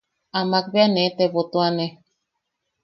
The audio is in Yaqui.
Amak bea ne tebotuane.